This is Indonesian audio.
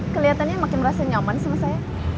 keliatannya makin rasa nyaman sama saya